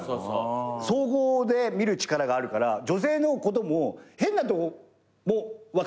総合で見る力があるから女性のことも変なとこも分かっちゃうから。